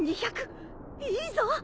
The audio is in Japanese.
いいぞ。